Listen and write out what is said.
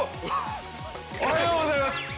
おはようございます。